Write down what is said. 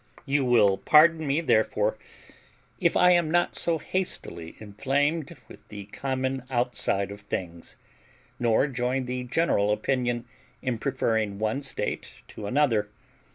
You will pardon me, therefore, if I am not so hastily inflamed with the common outside of things, nor join the general opinion in preferring one state to another.